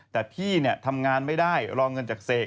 แต่พี่ทำงานไม่ได้รอเงินจากเสก